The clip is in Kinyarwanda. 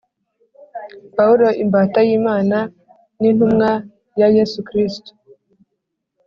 Pawulo imbata y’Imana n’intumwa ya Yesu Kristo